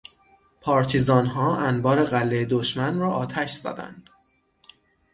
پارتیزانها انبار غلهٔ دشمن را آتش زدند.